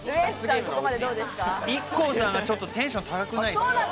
ＩＫＫＯさんが、ちょっとテンション高くないですか？